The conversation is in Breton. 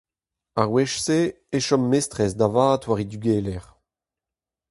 Ar wech-se e chom mestrez da vat war he dugelezh.